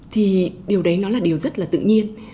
thì điều đấy nó là điều rất là tự nhiên